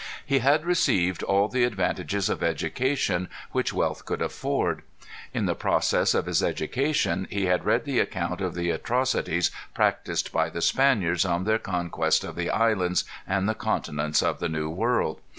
He had received all the advantages of education which wealth could afford. In the process of this education he had read the account of the atrocities practised by the Spaniards in their conquest of the islands and the continents of the New World.